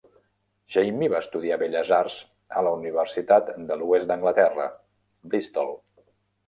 Jamie va estudiar belles arts a la Universitat de l'Oest d'Anglaterra, Bristol.